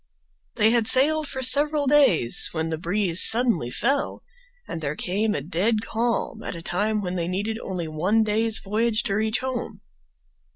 They had sailed for several days, when the breeze suddenly fell and there came a dead calm at a time when they needed only one day's voyage to reach home.